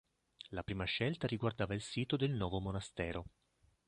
La prima scelta riguardava il sito del nuovo monastero.